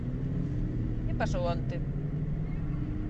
Que pasou onte?